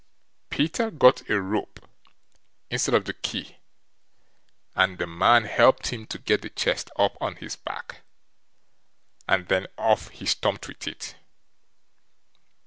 Peter got a rope instead of the key, and the man helped him to get the chest up on his back, and then off he stumped with it.